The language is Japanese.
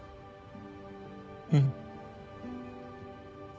うん。